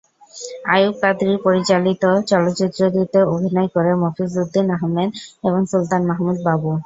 আইয়ুব কাদরী পরিচালিত চলচ্চিত্রটিতে অভিনয় করেন মফিজ উদ্দিন আহমেদ এবং সুলতান মাহমুদ বাবু।